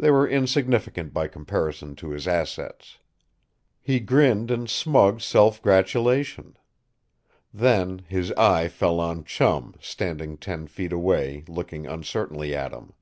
They were insignificant by comparison to his assets. He grinned in smug self gratulation. Then his eye fell on Chum, standing ten feet away, looking uncertainly at him.